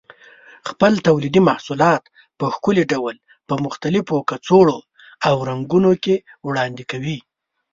خپل تولیدي محصولات په ښکلي ډول په مختلفو کڅوړو او رنګونو کې وړاندې کوي.